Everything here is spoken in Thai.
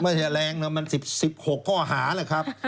ไม่แรงนะมัน๑๖ข้อหานะครับ